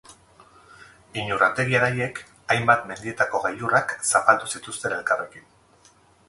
Iñurrategi anaiek hainbat mendietako gailurrak zapaldu zituzten elkarrekin.